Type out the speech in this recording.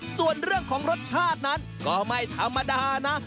ส่วนเรื่องของรสชาตินั้นก็ไม่ธรรมดานะ